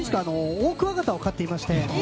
オオクワガタを飼ってまして。